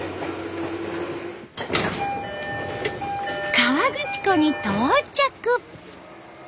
河口湖に到着。